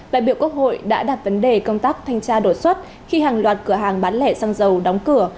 đại biểu quốc hội đã đặt vấn đề công tác thanh tra đột xuất khi hàng loạt cửa hàng bán lẻ xăng dầu đóng cửa